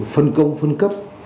phân công phân cấp